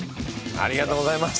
ありがとうございます。